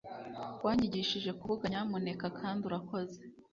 wanyigishije kuvuga nyamuneka kandi urakoze,